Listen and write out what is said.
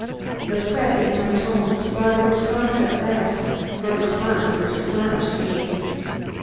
The threat in my tones brought a response at last, a response which astonished me.